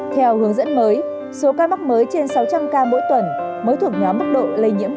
theo hướng dẫn mới số ca mắc mới trên sáu trăm linh ca mỗi tuần mới thuộc nhóm mức độ lây nhiễm